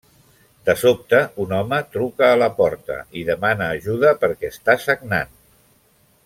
De sobte un home truca a la porta i demana ajuda perquè està sagnant.